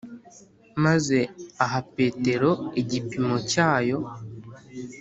maze aha petero igipimo cyayo!